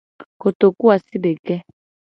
Kotokuasideke.